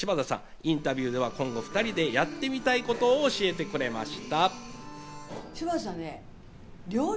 インタビューでは、今後２人でやってみたいことを教えてくれました。